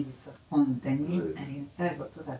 本当にありがたいことだけど。